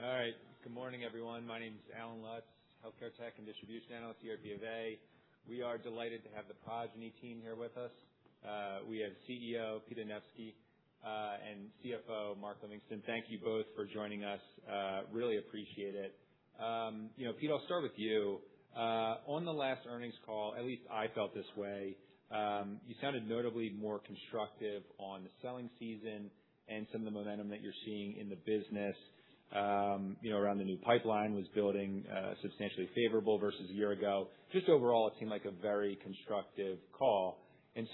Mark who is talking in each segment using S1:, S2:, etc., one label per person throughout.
S1: All right. Good morning, everyone. My name is Allen Lutz, Healthcare Tech and Distribution Analyst here at BofA. We are delighted to have the Progyny team here with us. We have CEO, Pete Anevski, and CFO, Mark Livingston. Thank you both for joining us. Really appreciate it. You know, Pete, I'll start with you. On the last earnings call, at least I felt this way, you sounded notably more constructive on the selling season and some of the momentum that you're seeing in the business, you know, around the new pipeline was building, substantially favorable versus a year ago. Just overall, it seemed like a very constructive call.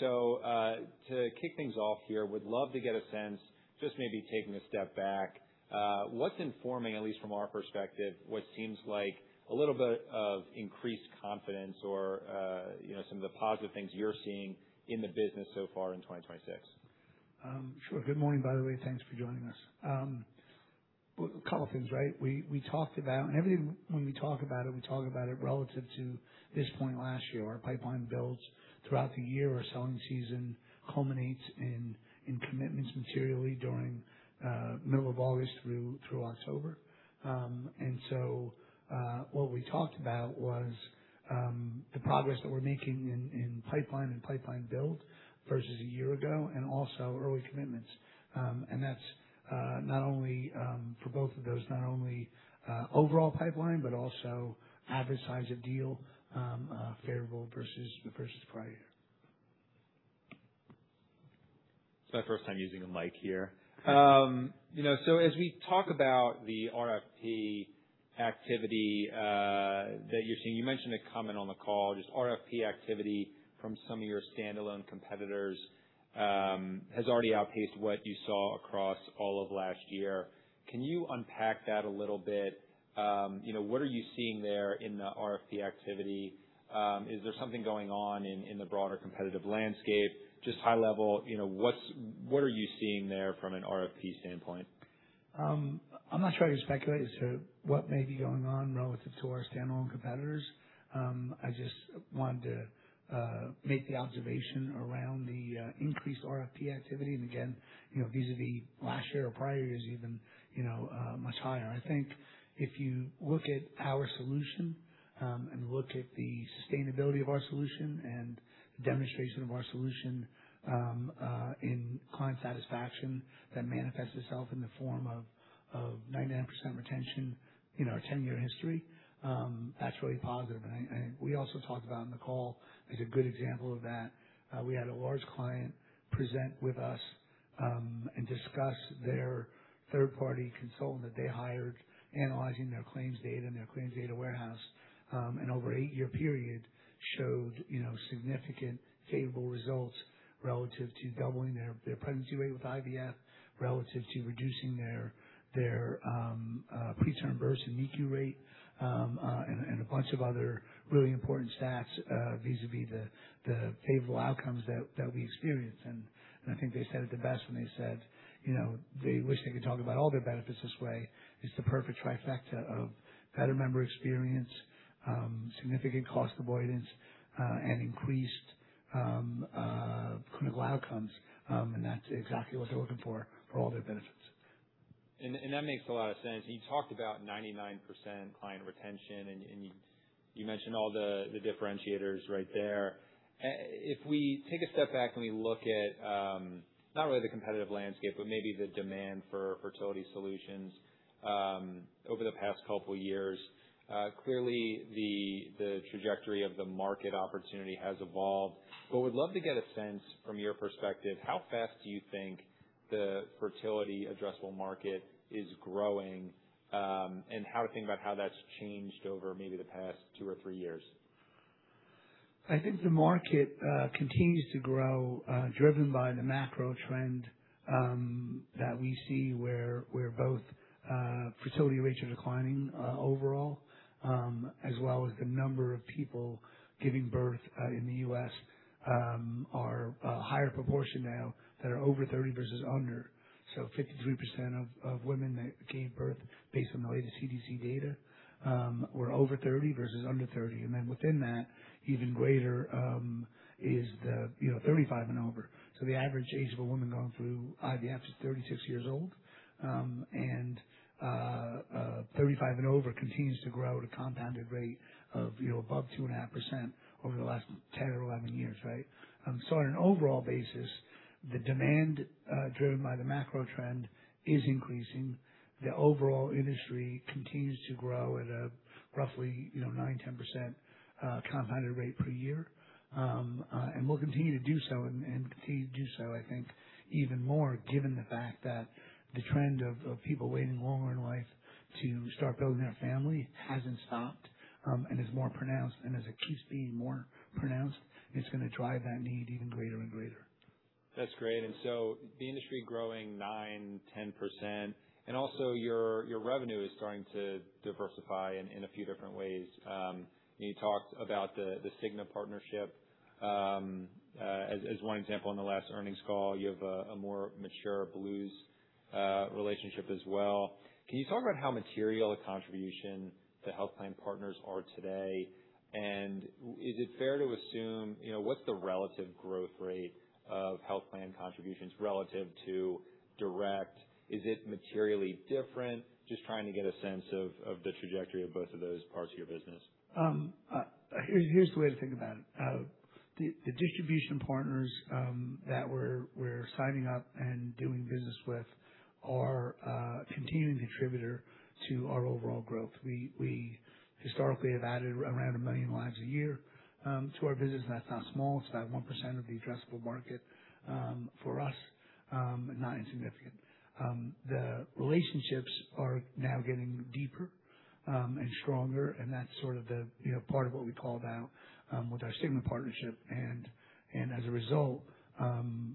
S1: To kick things off here, would love to get a sense, just maybe taking a step back, what's informing, at least from our perspective, what seems like a little bit of increased confidence or, you know, some of the positive things you're seeing in the business so far in 2026?
S2: Sure. Good morning, by the way. Thanks for joining us. A couple things, right? We talked about everything when we talk about it, we talk about it relative to this point last year. Our pipeline builds throughout the year. Our selling season culminates in commitments materially during middle of August through October. What we talked about was the progress that we're making in pipeline and pipeline build versus a year ago and also early commitments. That's not only for both of those, not only overall pipeline, but also average size of deal favorable versus prior year.
S1: It's my first time using a mic here. you know, so as we talk about the RFP activity that you're seeing, you mentioned a comment on the call, just RFP activity from some of your standalone competitors has already outpaced what you saw across all of last year. Can you unpack that a little bit? you know, what are you seeing there in the RFP activity? Is there something going on in the broader competitive landscape? Just high level, you know, what's-- what are you seeing there from an RFP standpoint?
S2: I'm not sure I can speculate as to what may be going on relative to our standalone competitors. I just wanted to make the observation around the increased RFP activity. Again, you know, vis-a-vis last year or prior years even, you know, much higher. I think if you look at our solution, and look at the sustainability of our solution and the demonstration of our solution, in client satisfaction that manifests itself in the form of 99% retention, you know, a 10-year history, that's really positive. We also talked about on the call is a good example of that. We had a large client present with us and discuss their third-party consultant that they hired analyzing their claims data and their claims data warehouse, and over an eight-year period showed, you know, significant favorable results relative to doubling their pregnancy rate with IVF, relative to reducing their preterm birth and NICU rate, and a bunch of other really important stats vis-a-vis the favorable outcomes that we experience. I think they said it the best when they said, you know, they wish they could talk about all their benefits this way. It's the perfect trifecta of better member experience, significant cost avoidance, and increased clinical outcomes. That's exactly what they're looking for for all their benefits.
S1: That makes a lot of sense. You talked about 99% client retention, and you mentioned all the differentiators right there. If we take a step back and we look at, not really the competitive landscape, but maybe the demand for fertility solutions, over the past couple years, clearly the trajectory of the market opportunity has evolved. We'd love to get a sense from your perspective, how fast do you think the fertility addressable market is growing, and how to think about how that's changed over maybe the past two or three years?
S2: I think the market continues to grow, driven by the macro trend that we see where both fertility rates are declining overall, as well as the number of people giving birth in the U.S. are a higher proportion now that are over 30 versus under. 53% of women that gave birth based on the latest CDC data were over 30 versus under 30. Within that, even greater, you know, is the 35 and over. The average age of a woman going through IVF is 36 years old. 35 and over continues to grow at a compounded rate of, you know, above 2.5% over the last 10 or 11 years. On an overall basis, the demand, driven by the macro trend is increasing. The overall industry continues to grow at a roughly, you know, 9%, 10% compounded rate per year. Will continue to do so and continue to do so, I think, even more given the fact that the trend of people waiting longer in life to start building their family hasn't stopped and is more pronounced. As it keeps being more pronounced, it's gonna drive that need even greater and greater.
S1: That's great. The industry growing 9%, 10%, and also your revenue is starting to diversify in a few different ways. You talked about the Cigna partnership as one example on the last earnings call. You have a more mature Blues relationship as well. Can you talk about how material a contribution the health plan partners are today? Is it fair to assume, you know, what's the relative growth rate of health plan contributions relative to direct? Is it materially different? Just trying to get a sense of the trajectory of both of those parts of your business.
S2: Here's the way to think about it. The distribution partners that we're signing up and doing business with are a continuing contributor to our overall growth. We historically have added around 1 million lives a year to our business, and that's not small. It's about 1% of the addressable market for us, not insignificant. The relationships are now getting deeper and stronger, and that's sort of the, you know, part of what we called out with our Cigna partnership. As a result,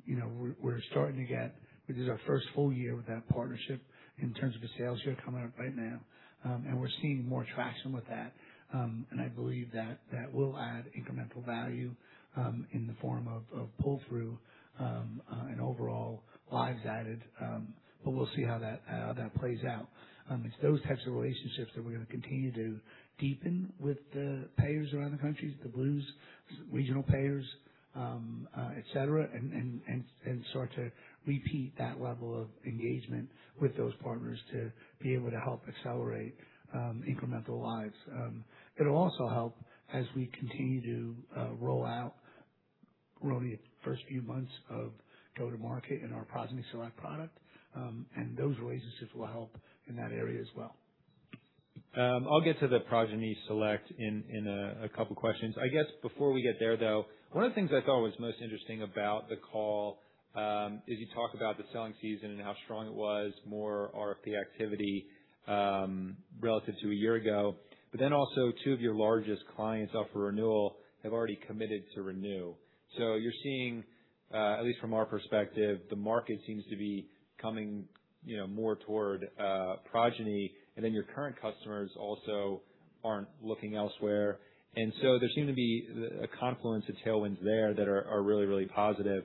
S2: you know, we're starting to get This is our first full year with that partnership in terms of a sales year coming up right now. We're seeing more traction with that. I believe that that will add incremental value in the form of pull through and overall lives added. We'll see how that plays out. It's those types of relationships that we're gonna continue to deepen with the payers around the country, the Blues regional payers, et cetera, and start to repeat that level of engagement with those partners to be able to help accelerate incremental lives. It'll also help as we continue to roll out. We're only at the first few months of go-to-market in our Progyny Select product. Those relationships will help in that area as well.
S1: I'll get to the Progyny Select in a couple of questions. I guess before we get there, though, one of the things I thought was most interesting about the call is you talk about the selling season and how strong it was, more RFP activity relative to a year ago. Also two of your largest clients up for renewal have already committed to renew. You're seeing, at least from our perspective, the market seems to be coming, you know, more toward Progyny, and then your current customers also aren't looking elsewhere. There seem to be a confluence of tailwinds there that are really, really positive.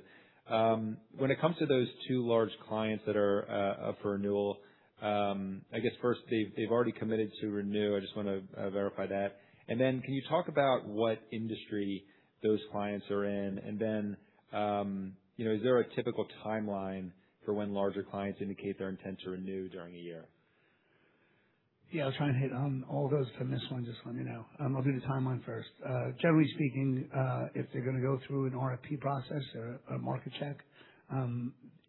S1: When it comes to those two large clients that are up for renewal, I guess first they've already committed to renew. I just wanna verify that. Can you talk about what industry those clients are in? You know, is there a typical timeline for when larger clients indicate their intent to renew during a year?
S2: Yeah. I'll try and hit on all those. If I miss one, just let me know. I'll do the timeline first. Generally speaking, if they're gonna go through an RFP process or a market check,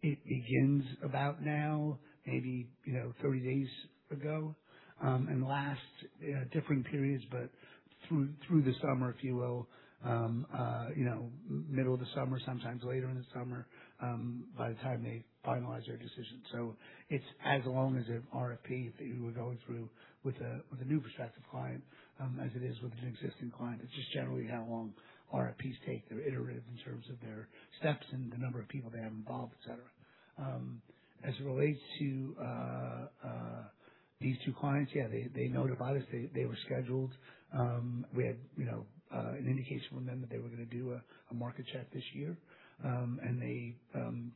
S2: it begins about now, maybe, you know, 30 days ago, and lasts different periods, but through the summer, if you will, you know, middle of the summer, sometimes later in the summer, by the time they finalize their decision. It's as long as an RFP you were going through with a new prospective client, as it is with an existing client. It's just generally how long RFPs take. They're iterative in terms of their steps and the number of people they have involved, et cetera. As it relates to these two clients, yeah, they notified us. They were scheduled. We had, you know, an indication from them that they were going to do a market check this year. They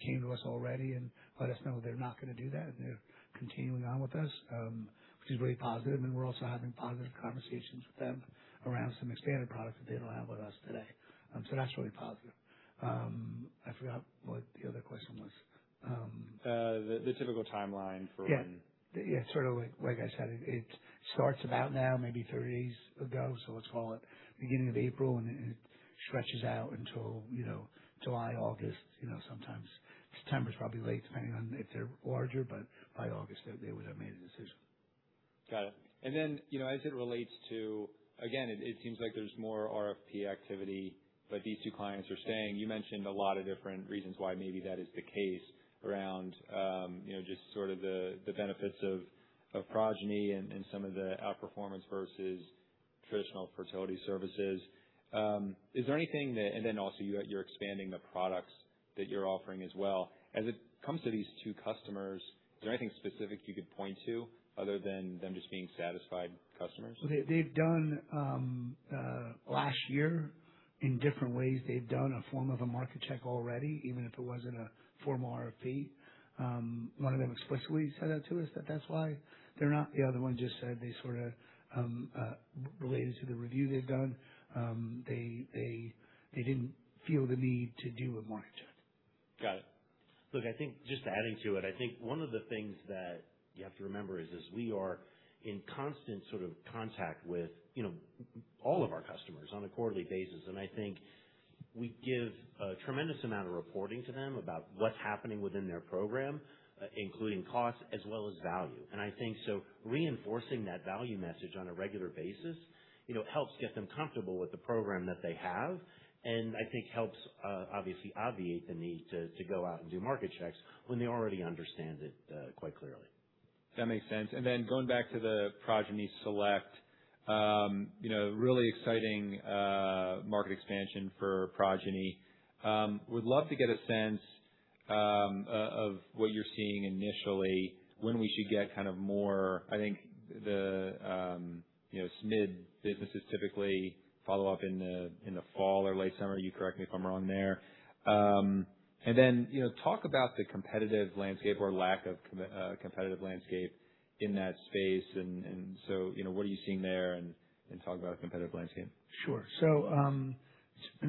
S2: came to us already and let us know they're not going to do that, and they're continuing on with us, which is really positive. We're also having positive conversations with them around some expanded products that they don't have with us today. That's really positive. I forgot what the other question was.
S1: The typical timeline for...
S2: Yeah. Yeah. Sort of like I said, it starts about now, maybe 30 days ago. Let's call it beginning of April. It stretches out until, you know, July, August, you know, sometimes. September is probably late, depending on if they're larger, by August they would have made a decision.
S1: Got it. You know, as it relates to Again, it seems like there's more RFP activity, but these two clients are staying. You mentioned a lot of different reasons why maybe that is the case around, you know, just sort of the benefits of Progyny and some of the outperformance versus traditional fertility services. Also, you're expanding the products that you're offering as well. As it comes to these two customers, is there anything specific you could point to other than them just being satisfied customers?
S2: They've done last year, in different ways, they've done a form of a market check already, even if it wasn't a formal RFP. One of them explicitly said that to us, that that's why they're not. The other one just said they sort of related to the review they've done, they didn't feel the need to do a market check.
S1: Got it.
S3: Look, I think just adding to it, I think one of the things that you have to remember is we are in constant sort of contact with, you know, all of our customers on a quarterly basis. I think we give a tremendous amount of reporting to them about what's happening within their program, including cost as well as value. I think reinforcing that value message on a regular basis, you know, helps get them comfortable with the program that they have and I think helps obviously obviate the need to go out and do market checks when they already understand it quite clearly.
S1: That makes sense. Going back to the Progyny Select, you know, really exciting market expansion for Progyny. Would love to get a sense of what you're seeing initially, when we should get kind of more I think the, you know, SMID businesses typically follow up in the fall or late summer? You correct me if I'm wrong there. You know, talk about the competitive landscape or lack of competitive landscape in that space. What are you seeing there and talk about a competitive landscape?
S2: Sure.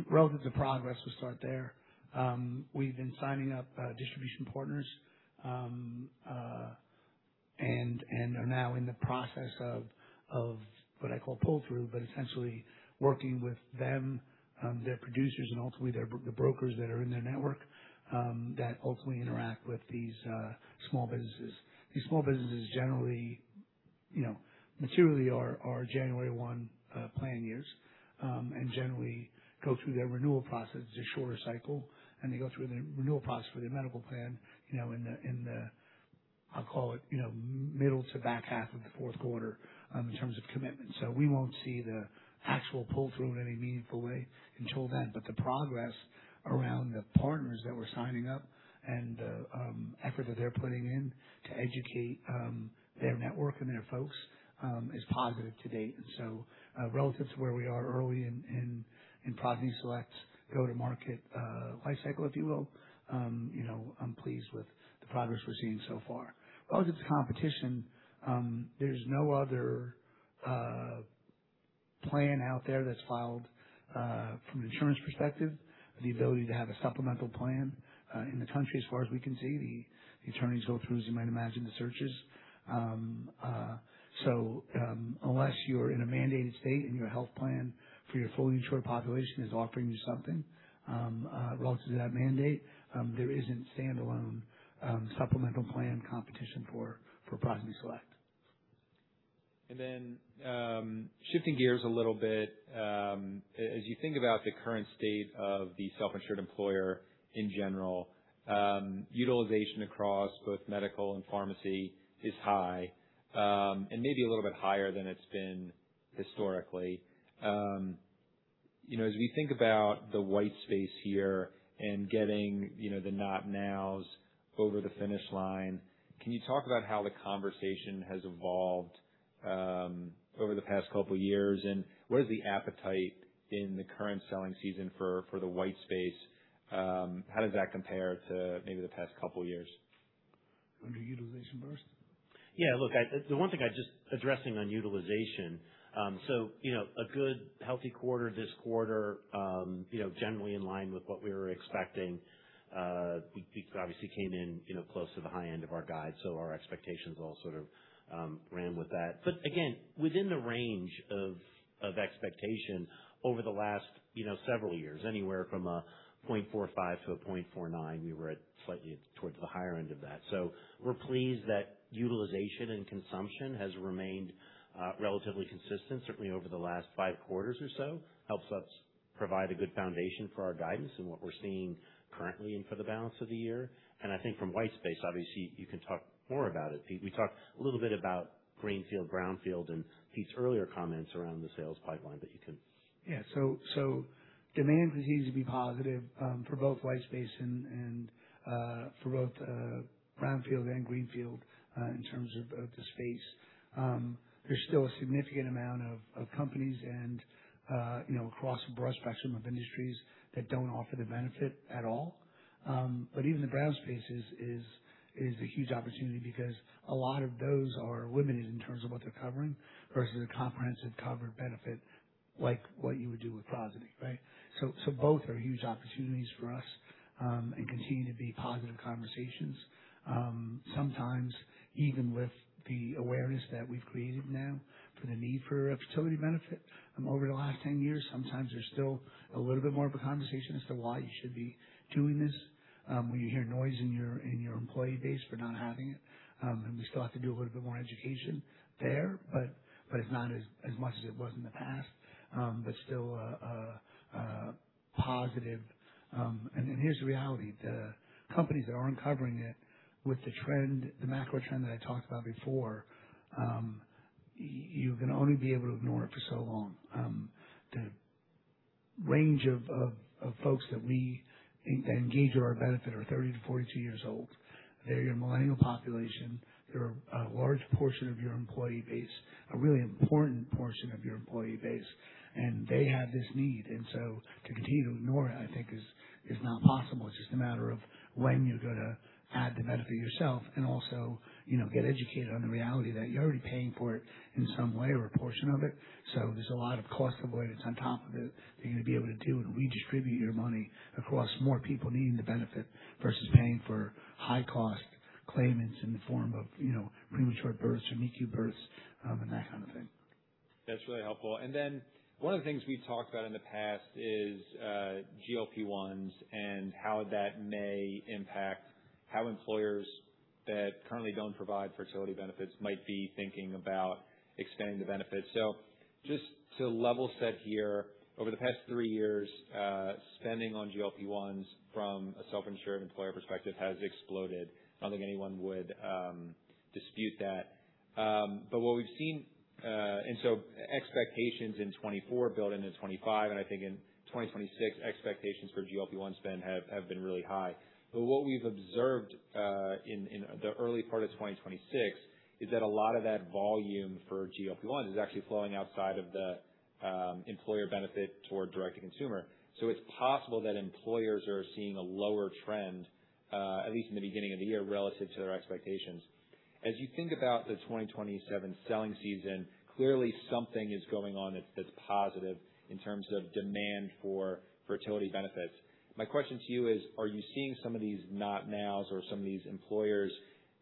S2: Relative to progress, we'll start there. We've been signing up distribution partners and are now in the process of what I call pull through, but essentially working with them, their producers and ultimately the brokers that are in their network that ultimately interact with these small businesses. These small businesses generally, you know, materially are January 1 plan years and generally go through their renewal process. It's a shorter cycle, they go through the renewal process for their medical plan, you know, in the, in the, I'll call it, you know, middle to back half of the fourth quarter in terms of commitment. We won't see the actual pull through in any meaningful way until then. The progress around the partners that we're signing up and the effort that they're putting in to educate their network and their folks is positive to date. Relative to where we are early in Progyny Select go-to-market life cycle, if you will, you know, I'm pleased with the progress we're seeing so far. Relative to competition, there's no other plan out there that's filed from an insurance perspective, the ability to have a supplemental plan in the country as far as we can see. The attorneys go through, as you might imagine, the searches. Unless you're in a mandated state and your health plan for your fully insured population is offering you something relative to that mandate, there isn't standalone supplemental plan competition for Progyny Select.
S1: Shifting gears a little bit, as you think about the current state of the self-insured employer in general, utilization across both medical and pharmacy is high, and maybe a little bit higher than it's been historically. You know, as we think about the white space here and getting, you know, the not nows over the finish line, can you talk about how the conversation has evolved over the past couple years? What is the appetite in the current selling season for the white space? How does that compare to maybe the past couple years?
S2: Under utilization first?
S3: Yeah. Look, I, the one thing I just addressing on utilization, so, you know, a good healthy quarter this quarter, you know, generally in line with what we were expecting. We obviously came in, you know, close to the high end of our guide, so our expectations all sort of ran with that. Again, within the range of expectation over the last, you know, several years, anywhere from a 0.45 to a 0.49, we were at slightly towards the higher end of that. We're pleased that utilization and consumption has remained relatively consistent, certainly over the last five quarters or so. Helps us provide a good foundation for our guidance and what we're seeing currently and for the balance of the year. I think from white space, obviously, you can talk more about it, Pete. We talked a little bit about greenfield, brownfield in Pete's earlier comments around the sales pipeline, but you can...
S2: Demand continues to be positive for both white space and for both brownfield and greenfield in terms of the space. There's still a significant amount of companies and, you know, across a broad spectrum of industries that don't offer the benefit at all. Even the brownfield is a huge opportunity because a lot of those are limited in terms of what they're covering versus a comprehensive covered benefit like what you would do with Progyny, right? Both are huge opportunities for us and continue to be positive conversations. Sometimes even with the awareness that we've created now for the need for a fertility benefit over the last 10 years, sometimes there's still a little bit more of a conversation as to why you should be doing this. When you hear noise in your, in your employee base for not having it, and we still have to do a little bit more education there, but it's not as much as it was in the past. But still a positive. Here's the reality. The companies that aren't covering it with the trend, the macro trend that I talked about before, you can only be able to ignore it for so long. The range of folks that we engage with our benefit are 30-42 years old. They're your millennial population. They're a large portion of your employee base, a really important portion of your employee base, and they have this need. To continue to ignore it, I think, is not possible. It's just a matter of when you're gonna add the benefit yourself and also, you know, get educated on the reality that you're already paying for it in some way or a portion of it. There's a lot of cost avoidance on top of it that you're gonna be able to do and redistribute your money across more people needing the benefit versus paying for high cost claimants in the form of, you know, premature births or NICU births, and that kind of thing.
S1: That's really helpful. One of the things we talked about in the past is GLP-1s and how that may impact how employers that currently don't provide fertility benefits might be thinking about expanding the benefits. Just to level set here, over the past three years, spending on GLP-1s from a self-insured employer perspective has exploded. I don't think anyone would dispute that. What we've seen, expectations in 2024 build into 2025, and I think in 2026, expectations for GLP-1 spend have been really high. What we've observed in the early part of 2026 is that a lot of that volume for GLP-1s is actually flowing outside of the employer benefit toward direct-to-consumer. It's possible that employers are seeing a lower trend, at least in the beginning of the year, relative to their expectations. As you think about the 2027 selling season, clearly something is going on that's positive in terms of demand for fertility benefits. My question to you is, are you seeing some of these not nows or some of these employers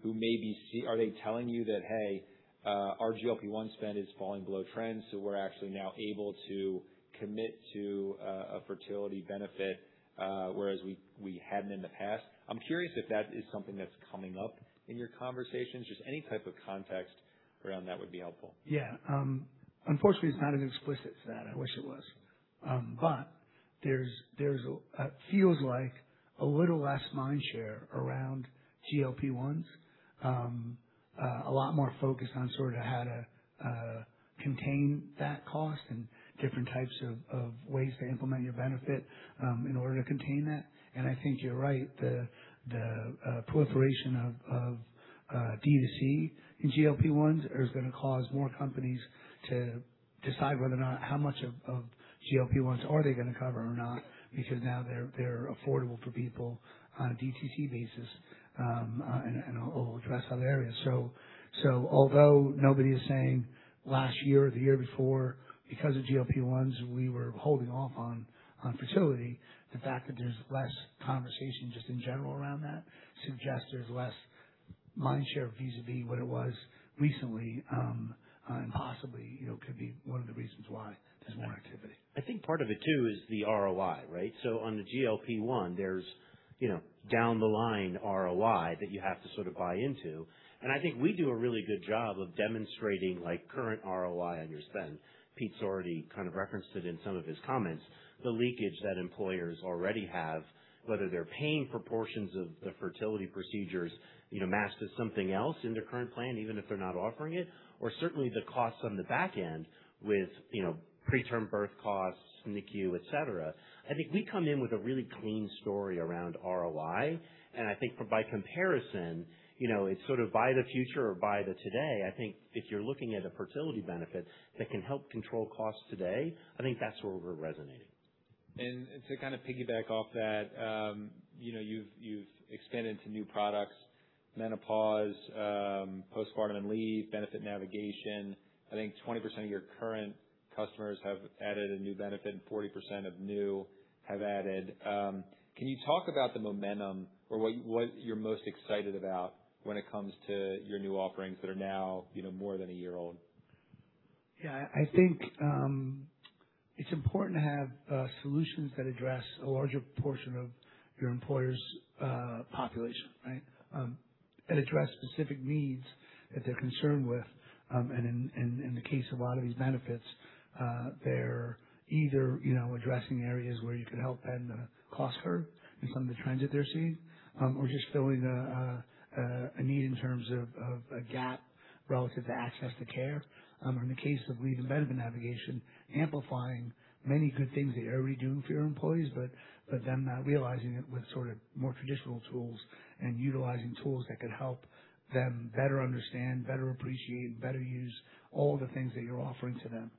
S1: who may be Are they telling you that, "Hey, our GLP-1 spend is falling below trend, so we're actually now able to commit to a fertility benefit, whereas we hadn't in the past"? I'm curious if that is something that's coming up in your conversations. Just any type of context around that would be helpful.
S2: Yeah. Unfortunately, it's not as explicit as that. I wish it was. There's feels like a little less mind share around GLP-1s. A lot more focused on sort of how to contain that cost and different types of ways to implement your benefit in order to contain that. I think you're right. The proliferation of D2C in GLP-1s is going to cause more companies to decide whether or not how much of GLP-1s are they going to cover or not, because now they're affordable for people on a D2C basis and all across other areas. Although nobody is saying last year or the year before, because of GLP-1s, we were holding off on fertility, the fact that there's less conversation just in general around that suggests there's less mind share vis-à-vis what it was recently, and possibly, you know, could be one of the reasons why there's more activity.
S3: I think part of it too is the ROI, right? On the GLP-1, there's, you know, down the line ROI that you have to sort of buy into. I think we do a really good job of demonstrating, like, current ROI on your spend. Pete's already kind of referenced it in some of his comments. The leakage that employers already have, whether they're paying proportions of the fertility procedures, you know, matched to something else in their current plan, even if they're not offering it, or certainly the costs on the back end with, you know, preterm birth costs, NICU, et cetera. I think we come in with a really clean story around ROI, and I think by comparison, you know, it's sort of buy the future or buy the today. I think if you're looking at a fertility benefit that can help control costs today, I think that's where we're resonating.
S1: To kind of piggyback off that, you know, you've expanded to new products, menopause, postpartum and leave, benefit navigation. I think 20% of your current customers have added a new benefit, and 40% of new have added. Can you talk about the momentum or what you're most excited about when it comes to your new offerings that are now, you know, more than a year old?
S2: Yeah, I think, it's important to have solutions that address a larger portion of your employer's population, right? Address specific needs that they're concerned with. In the case of a lot of these benefits, they're either, you know, addressing areas where you could help bend the cost curve in some of the trends that they're seeing, or just filling a need in terms of a gap relative to access to care. Or in the case of leave and benefit navigation, amplifying many good things that you're already doing for your employees, but them not realizing it with sort of more traditional tools, and utilizing tools that could help them better understand, better appreciate, better use all the things that you're offering to them.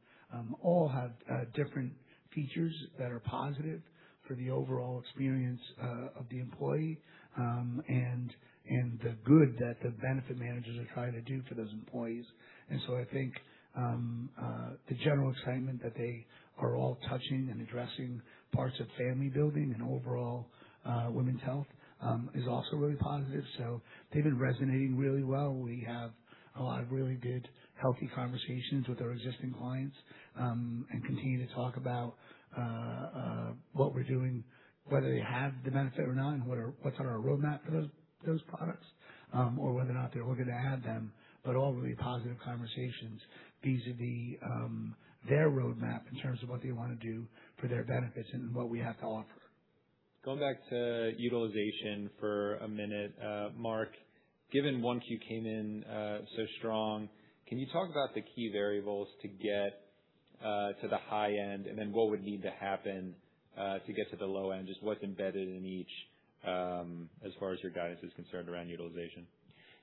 S2: All have different features that are positive for the overall experience of the employee and the good that the benefit managers are trying to do for those employees. I think the general excitement that they are all touching and addressing parts of family building and overall women's health is also really positive. They've been resonating really well. We have a lot of really good, healthy conversations with our existing clients and continue to talk about what we're doing, whether they have the benefit or not, and what's on our roadmap for those products or whether or not they're looking to add them. All really positive conversations vis-à-vis their roadmap in terms of what they want to do for their benefits and what we have to offer.
S1: Going back to utilization for a minute, Mark, given 1Q came in so strong, can you talk about the key variables to get to the high end, and then what would need to happen to get to the low end? Just what's embedded in each, as far as your guidance is concerned around utilization?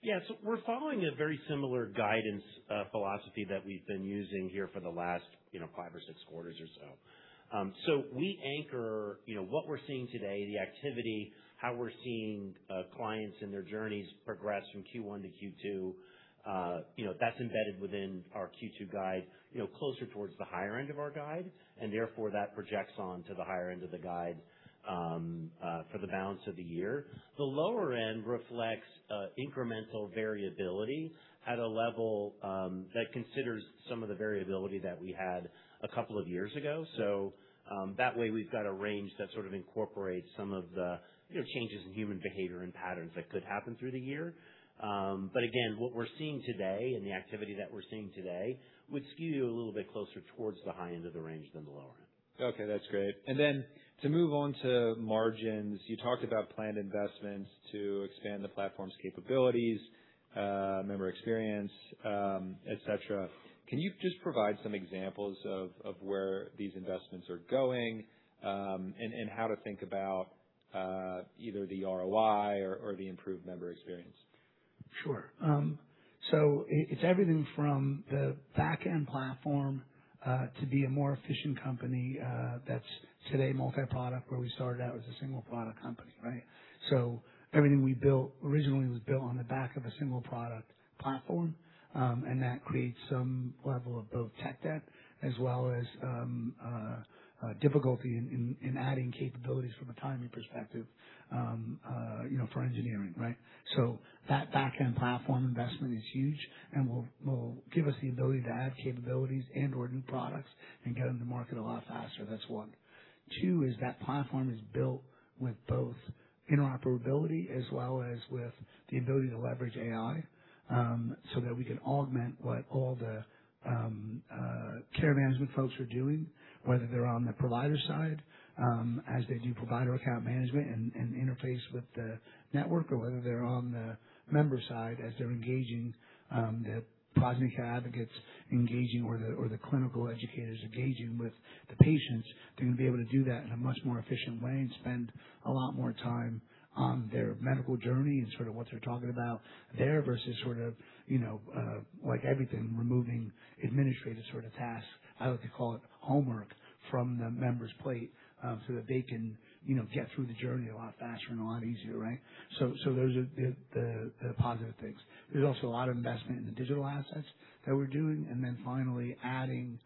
S3: Yeah. We're following a very similar guidance philosophy that we've been using here for the last, you know, five or six quarters or so. We anchor, you know, what we're seeing today, the activity, how we're seeing clients and their journeys progress from Q1 to Q2. You know, that's embedded within our Q2 guide, you know, closer towards the higher end of our guide, and therefore, that projects on to the higher end of the guide for the balance of the year. The lower end reflects incremental variability at a level that considers some of the variability that we had a couple of years ago. That way we've got a range that sort of incorporates some of the, you know, changes in human behavior and patterns that could happen through the year. Again, what we're seeing today and the activity that we're seeing today would skew you a little bit closer towards the high end of the range than the lower end.
S1: Okay, that's great. To move on to margins, you talked about planned investments to expand the platform's capabilities, member experience, et cetera. Can you just provide some examples of where these investments are going, and how to think about either the ROI or the improved member experience?
S2: Sure. It's everything from the back-end platform, to be a more efficient company, that's today multi-product, where we started out as a single product company, right? Everything we built originally was built on the back of a single product platform. That creates some level of both tech debt as well as difficulty in adding capabilities from a timing perspective for engineering, right? That back-end platform investment is huge and will give us the ability to add capabilities and/or new products and get them to market a lot faster. That's one. Two is that platform is built with both interoperability as well as with the ability to leverage AI, so that we can augment what all the care management folks are doing, whether they're on the provider side, as they do provider account management and interface with the network or whether they're on the member side as they're engaging, the Progyny advocates engaging or the, or the clinical educators engaging with the patients, they're gonna be able to do that in a much more efficient way and spend a lot more time on their medical journey and sort of what they're talking about there versus sort of, you know, like everything, removing administrative sort of tasks, I like to call it homework, from the members' plate, so that they can, you know, get through the journey a lot faster and a lot easier, right? Those are the positive things. There is also a lot of investment in the digital assets that we are doing. Finally adding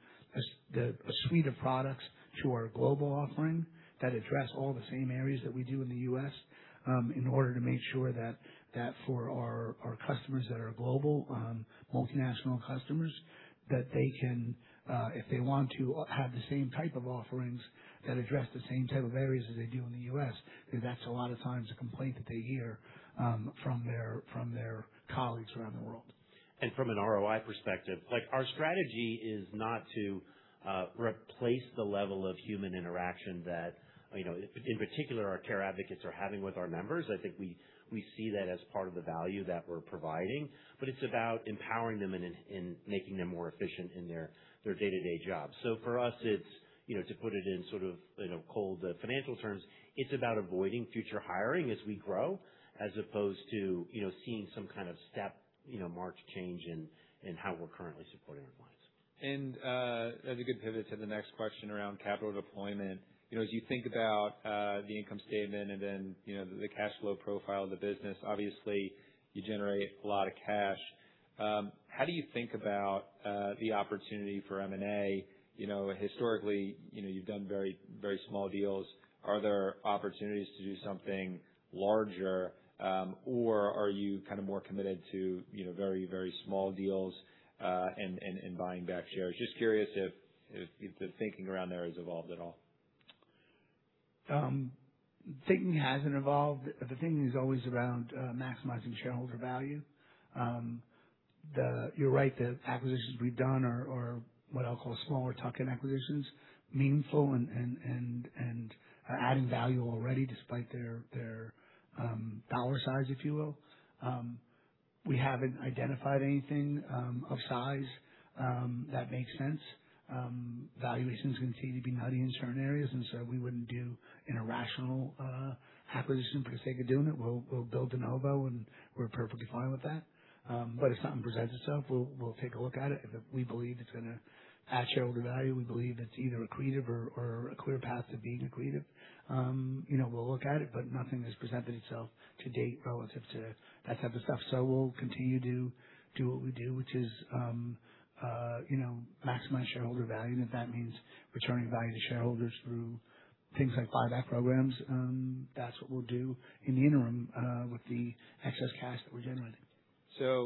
S2: a suite of products to our global offering that address all the same areas that we do in the U.S., in order to make sure that for our customers that are global, multinational customers, that they can, if they want to, have the same type of offerings that address the same type of areas as they do in the U.S., 'cause that is a lot of times a complaint that they hear from their colleagues around the world.
S3: From an ROI perspective, like our strategy is not to replace the level of human interaction that, you know, in particular our care advocates are having with our members. I think we see that as part of the value that we're providing. It's about empowering them and making them more efficient in their day-to-day job. For us it's, you know, to put it in sort of, you know, cold financial terms, it's about avoiding future hiring as we grow, as opposed to, you know, seeing some kind of step, you know, march change in how we're currently supporting our clients.
S1: That's a good pivot to the next question around capital deployment. You know, as you think about the income statement and then, you know, the cash flow profile of the business, obviously you generate a lot of cash. How do you think about the opportunity for M&A? You know, historically, you know, you've done very, very small deals. Are there opportunities to do something larger, or are you kind of more committed to, you know, very, very small deals, and buying back shares? Just curious if the thinking around there has evolved at all.
S2: Thinking hasn't evolved. The thinking is always around maximizing shareholder value. You're right, the acquisitions we've done are what I'll call smaller tuck-in acquisitions, meaningful and are adding value already despite their dollar size, if you will. We haven't identified anything of size that makes sense. Valuations continue to be nutty in certain areas, so we wouldn't do an irrational acquisition for the sake of doing it. We'll build de novo, we're perfectly fine with that. If something presents itself, we'll take a look at it. If we believe it's gonna add shareholder value, we believe it's either accretive or a clear path to being accretive, you know, we'll look at it, nothing has presented itself to date relative to that type of stuff. We'll continue to do what we do, which is, you know, maximize shareholder value. If that means returning value to shareholders through things like buyback programs, that's what we'll do in the interim, with the excess cash that we're generating.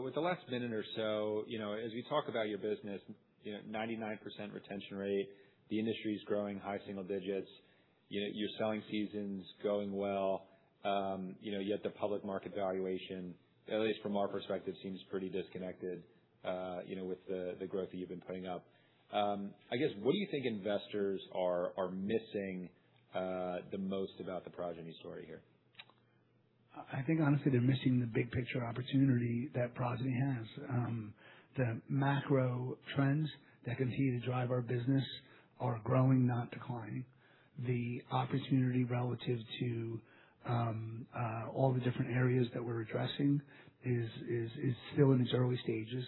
S1: With the last minute or so, you know, as we talk about your business, you know, 99% retention rate, the industry's growing high single digits, you know, your selling season's going well, you know, yet the public market valuation, at least from our perspective, seems pretty disconnected, you know, with the growth that you've been putting up. I guess, what do you think investors are missing the most about the Progyny story here?
S2: I think honestly, they're missing the big picture opportunity that Progyny has. The macro trends that continue to drive our business are growing, not declining. The opportunity relative to all the different areas that we're addressing is still in its early stages.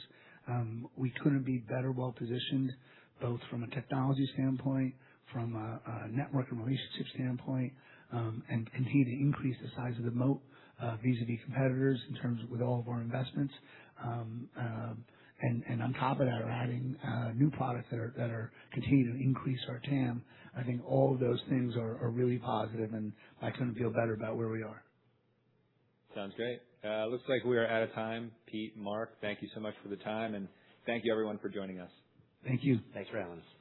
S2: We couldn't be better well positioned both from a technology standpoint, from a network and relationship standpoint, and continue to increase the size of the moat vis-à-vis competitors in terms with all of our investments. On top of that, we're adding new products that are continuing to increase our TAM. I think all of those things are really positive, and I couldn't feel better about where we are.
S1: Sounds great. Looks like we are out of time. Pete, Mark, thank you so much for the time. Thank you everyone for joining us.
S2: Thank you.
S3: Thanks for having us.